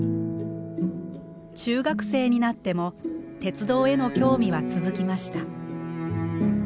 中学生になっても鉄道への興味は続きました。